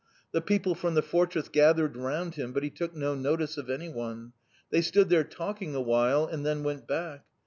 The people from the fortress gathered round him, but he took no notice of anyone. They stood there talking awhile and then went back.